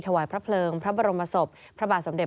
ถวายพระเพลิงพระบรมศพพระบาทสมเด็